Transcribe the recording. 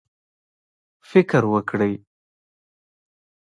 فکر وکړئ